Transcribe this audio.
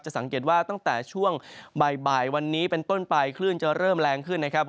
สังเกตว่าตั้งแต่ช่วงบ่ายวันนี้เป็นต้นไปคลื่นจะเริ่มแรงขึ้นนะครับ